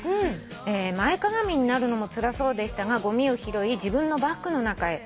「前かがみになるのもつらそうでしたがごみを拾い自分のバッグの中へ」